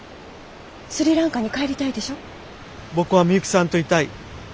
僕はミユキさんといたい。